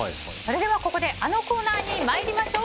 ここであのコーナーに参りましょう。